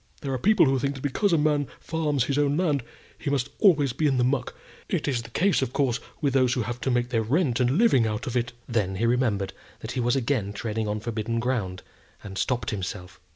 There are people who think that because a man farms his own land, he must be always in the muck. It is the case, of course, with those who have to make their rent and living out of it." Then he remembered that he was again treading on forbidden ground, and stopped himself.